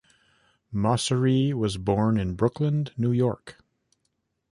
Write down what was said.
Mauceri was born in Brooklyn, New York.